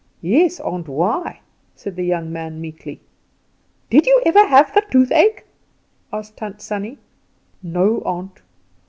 "Yes, aunt, why?" said the young man meekly. "Did you ever have the toothache?" asked Tant Sannie. "No, aunt."